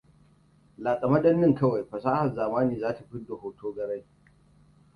Latsa madannin kawai fasahar zamani za ta fidda hoto garai.